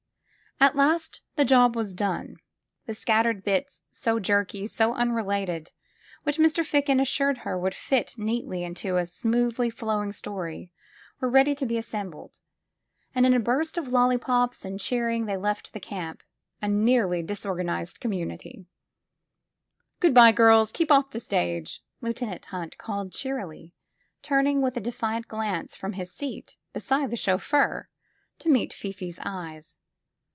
At last the job was done. The scattered bits, so jerky, so unrelated, which Mr. Picken assured her would fit neatly into a smoothly flowing story, were ready to be 198 THE FILM OF FATE assembled, and in a burst of lollipops and cheeiinsf ihej left the camp — a nearly disorganized conmixinity. *'Good by girls; keep off the stage!'' Lieutenant Hunt called cheerily, turning with a defiant glance from his seat beside the chauffeur to meet Fifi's eyes.